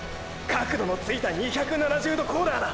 角度のついた２７０度コーナーだ！！